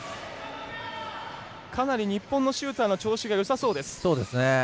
かなり日本のシューターの調子がよさそうです。